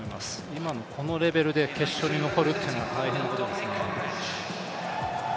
今のこのレベルで決勝に残るというのは大変なことですから。